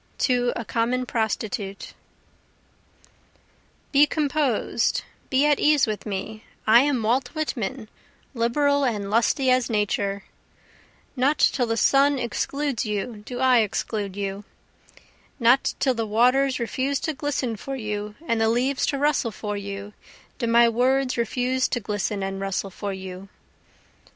To a Common Prostitute Be composed be at ease with me I am Walt Whitman, liberal and lusty as Nature, Not till the sun excludes you do I exclude you, Not till the waters refuse to glisten for you and the leaves to rustle for you, do my words refuse to glisten and rustle for you.